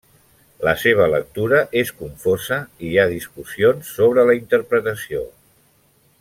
La seva lectura és confosa i hi ha discussions sobre la interpretació.